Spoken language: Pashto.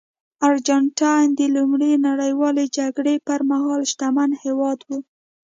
ارجنټاین د لومړۍ نړیوالې جګړې پرمهال شتمن هېواد و.